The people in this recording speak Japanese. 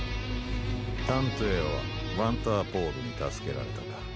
たんていはワンターポールにたすけられたか。